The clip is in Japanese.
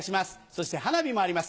そして花火もあります